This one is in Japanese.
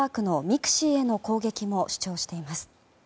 ミクシィへの攻撃も主張しています。